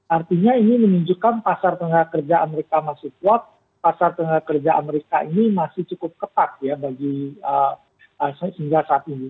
artinya ini menunjukkan pasar tenaga kerja amerika masih kuat pasar tenaga kerja amerika ini masih cukup ketat ya bagi hingga saat ini